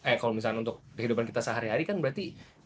eh kalau misalnya untuk kehidupan kita sehari hari kan berarti